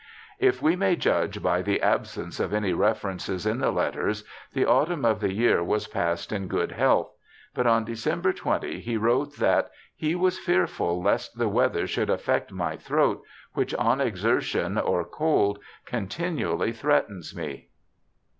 li we may judge by the absence of any references in the letters, the autumn of the year was passed in good health, but on December 20 he wrote that he was * fearful lest the weather should affect my throat, which on exertion or cold continually threatens me